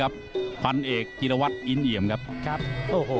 ครับพันแก่กิลวัดอินเหยียมครับครับโอ้โห